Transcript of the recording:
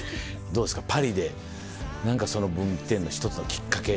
どうですかパリで分岐点の一つのきっかけ